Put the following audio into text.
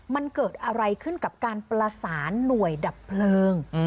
มันเกิดอะไรขึ้นกับการประสานหน่วยดับเพลิง